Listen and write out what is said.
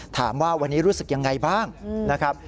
ถามว่าวันนี้รู้สึกยังไงบ้างนะครับ